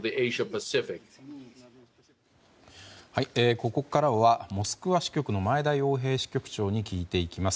ここからはモスクワ支局の前田洋平支局長に聞いていきます。